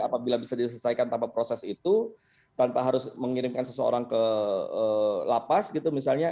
apabila bisa diselesaikan tanpa proses itu tanpa harus mengirimkan seseorang ke lapas gitu misalnya